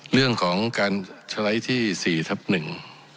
เรื่องของการสไลด์ที่สี่ทับหนึ่ง